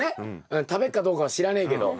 食べっかどうかは知らねえけど。